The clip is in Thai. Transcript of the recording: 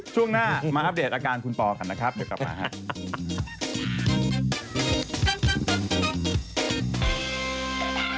ช่วงหน้ามาอัปเดตอาการคุณปอกันนะครับเดี๋ยวกลับมาครับ